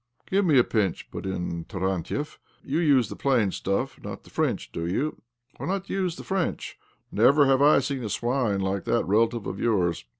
" Give me a pinch," put in Tarantiev. " You use the plain stuff, and not the French, do you? Why not use the French? Never have I seen a swine like that relative of yours.